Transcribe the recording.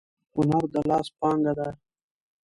هنر د لاس پانګه ده.